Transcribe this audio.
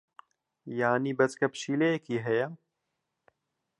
یانی بەچکە پشیلەیەکی ھەیە.